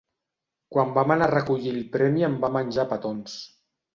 Quan vam anar a recollir el premi em va menjar a petons.